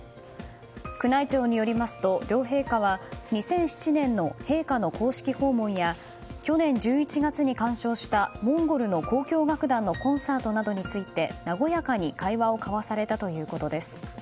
宮内庁によりますと両陛下は２００７年の陛下の公式訪問や去年１１月に鑑賞したモンゴルの交響楽団のコンサートなどについて和やかに会話を交わされたということです。